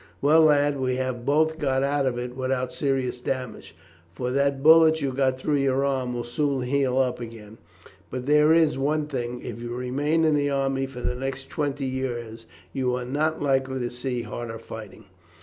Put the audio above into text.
Well, lad, we have both got out of it without serious damage, for that bullet you got through your arm will soon heal up again, but there is one thing, if you remain in the army for the next twenty years you are not likely to see harder fighting."